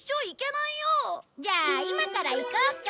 じゃあ今から行こうか。